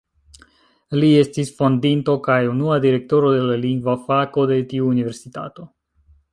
Li estis fondinto kaj unua Direktoro de la Lingva Fako de tiu universitato.